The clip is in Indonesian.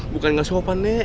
bukan gak sopan nek